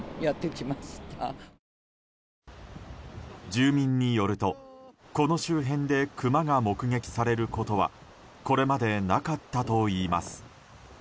住民によると、この周辺でクマが目撃されることはこれまでなかったといいます。